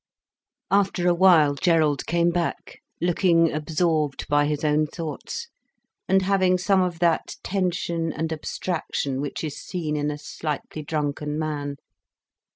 After a while Gerald came back, looking absorbed by his own thoughts, and having some of that tension and abstraction which is seen in a slightly drunken man.